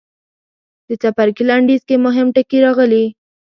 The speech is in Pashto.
د څپرکي لنډیز کې مهم ټکي راغلي.